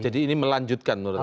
jadi ini melanjutkan menurut anda